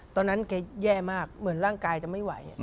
ตอนนั้นแกแย่มากเหมือนร่างกายจะไม่ไหว